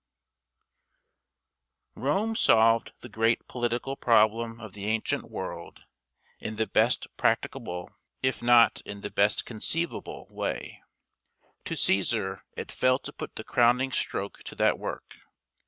] Rome solved the great political problem of the ancient world in the best practicable, if not in the best conceivable, way. To Cæsar it fell to put the crowning stroke to that work.